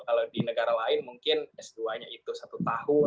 kalau di negara lain mungkin s dua nya itu satu tahun